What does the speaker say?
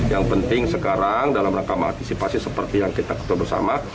yang penting sekarang dalam rangka mengantisipasi seperti yang kita ketemu bersama